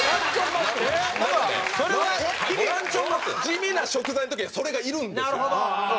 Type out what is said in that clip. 地味な食材の時はそれがいるんですよ。